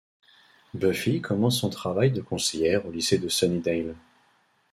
Buffy commence son travail de conseillère au lycée de Sunnydale.